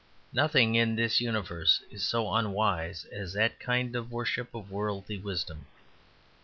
Nothing in this universe is so unwise as that kind of worship of worldly wisdom.